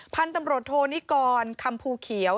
พันธุ์ตำรวจโทนิกรคำภูเขียว